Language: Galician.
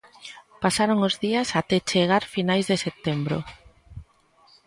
Pasaron os días até chegar finais de setembro.